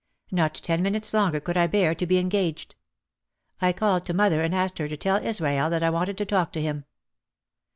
Not ten minutes longer could I bear to be en gaged. I called to mother and asked her to tell Israel that I wanted to talk to him.